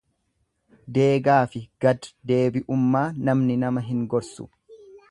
Deegaafi gad deebi'ummaa namni nama hin gorsu.